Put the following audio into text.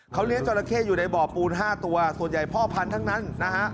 เขาเลี้ยงจราเข้อยู่ในบ่อปูน๕ตัวส่วนใหญ่พ่อพันธุ์ทั้งนั้นนะฮะ